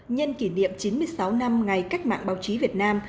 nhân kỷ niệm chín mươi sáu năm ngày cách mạng báo chí việt nam